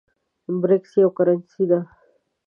برېکس یوه کرنسۍ ده